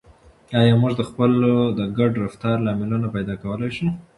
آیا موږ د خلکو د ګډ رفتار لاملونه پیدا کولای شو؟